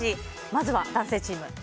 まず、男性チーム。